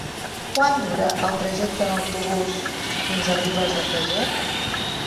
Quant dura el trajecte en autobús fins a Ribes de Freser?